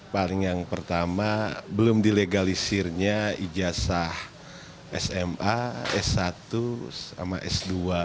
paling yang pertama belum dilegalisirnya ijazah sma s satu sama s dua